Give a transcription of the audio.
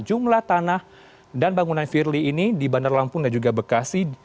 jumlah tanah dan bangunan firly ini di bandar lampung dan juga bekasi